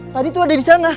tadi tuh ada di sana